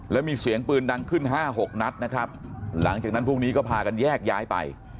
แล้วมีเสียงปืนดังขึ้นห้าหกนัดนะครับหลังจากนั้นพรุ่งนี้ก็พากันแยกย้ายไป